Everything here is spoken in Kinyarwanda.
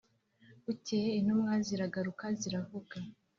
Bukeye intumwa ziragaruka ziravuga